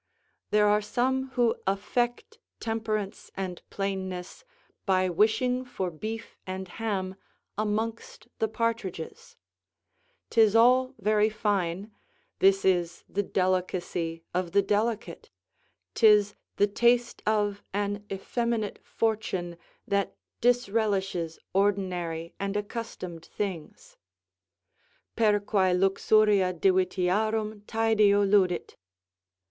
There are some who affect temperance and plainness by wishing for beef and ham amongst the partridges; 'tis all very fine; this is the delicacy of the delicate; 'tis the taste of an effeminate fortune that disrelishes ordinary and accustomed things. "Per qux luxuria divitiarum taedio ludit."